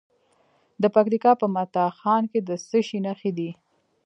د پکتیکا په متا خان کې د څه شي نښې دي؟